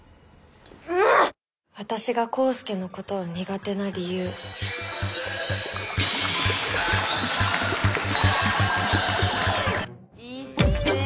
私が康祐のことを苦手な理由いっせー